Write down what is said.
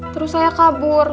terus saya kabur